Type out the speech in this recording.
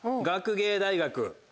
学芸大学